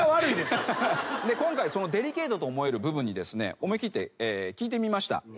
で今回デリケートと思える部分にですね思い切って聞いてみました。